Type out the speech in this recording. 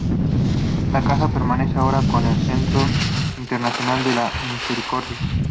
La Casa permanece ahora como el "Centro Internacional de la Misericordia".